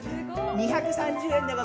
２３０円です。